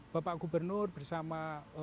bapak gubernur bersama